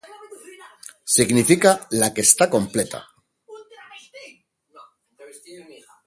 Significa "la que está completa".